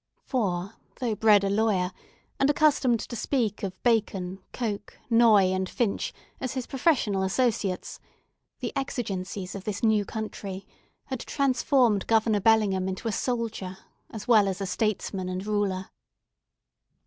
For, though bred a lawyer, and accustomed to speak of Bacon, Coke, Noye, and Finch, as his professional associates, the exigencies of this new country had transformed Governor Bellingham into a soldier, as well as a statesman and ruler.